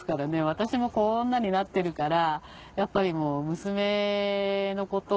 私もこんなになってるからやっぱりもう。